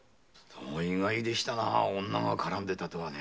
意外でしたな女が絡んでいたとはね。